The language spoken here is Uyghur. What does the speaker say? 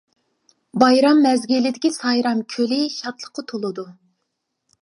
بايرام مەزگىلىدىكى سايرام كۆلى شادلىققا تولىدۇ.